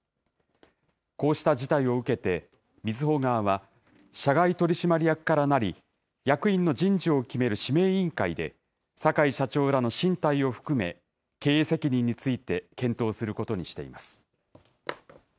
こうした事態を受けて、みずほ側は、社外取締役からなり、役員の人事を決める指名委員会で、坂井社長らの進退を含め、経営責任について検討することにしています。